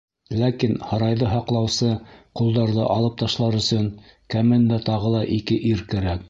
Ләкин һарайҙы һаҡлаусы ҡолдарҙы алып ташлар өсөн, кәмендә тағы ла ике ир кәрәк.